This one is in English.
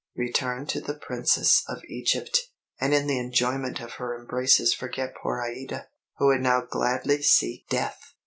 Return to the Princess of Egypt, and in the enjoyment of her embraces forget poor Aïda, who would now gladly seek death!"